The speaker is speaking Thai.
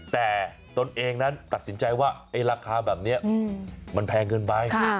แต่ตนเองนั้นตัดสินใจว่าราคาแบบนี้มันแพงเกินไป